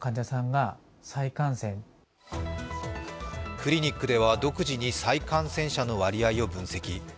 クリニックでは独自に再感染者の割合を分析。